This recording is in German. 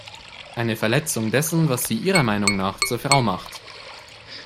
Eine Verletzung dessen, was sie ihrer Meinung nach zur Frau macht.